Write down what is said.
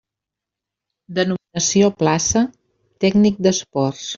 Denominació plaça: tècnic d'esports.